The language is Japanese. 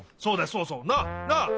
そうそう。なあ？なあ？